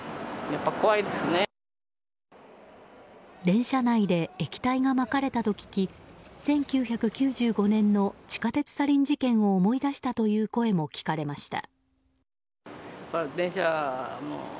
電車内で液体がまかれたと聞き１９９５年の地下鉄サリン事件を思い出したという声も聞かれました。